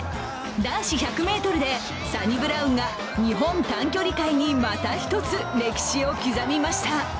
男子１００ｍでサニブラウンが日本短距離界にまた一つ歴史を刻みました。